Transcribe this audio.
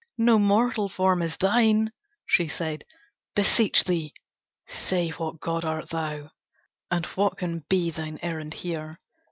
"No mortal form is thine," she said, "Beseech thee say what god art thou? And what can be thine errand here?"